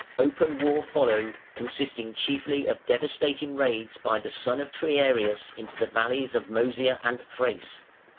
Open war followed, consisting chiefly of devastating raids by the son of Triarius into the valleys of Mœsia and Thrace.